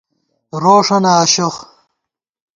روݭَنہ آشوخ